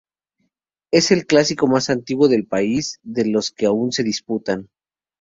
Es el clásico más antiguo del país de los que aún se disputan.